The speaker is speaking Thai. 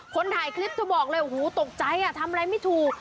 คนถ่ายคลิปเธอบอกเลยโอ้โหตกใจทำอะไรไม่ถูก